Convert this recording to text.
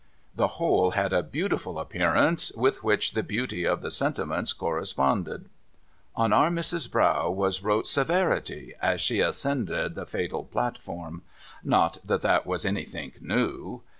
The whole had a beautiful appearance, with which the beauty of the sentiments corresponded. On Our Missis's brow was wrote Severity, as she ascended tho fatal platform. (Not that that was anythink new.)